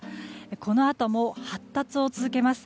このあとも発達を続けます。